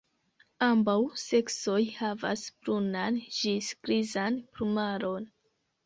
Ambaŭ seksoj havas brunan ĝis grizan plumaron.